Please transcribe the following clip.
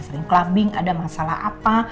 sering clubbing ada masalah apa